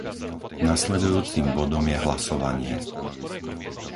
Nasledujúcim bodom je hlasovanie.